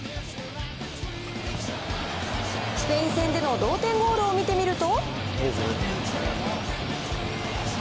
スペイン戦での同点ゴールを見てみると。